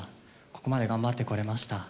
ここまで頑張ってこれました。